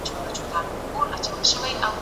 ابن خلدون د دولتونو د سقوط مرحلې څېړلې دي.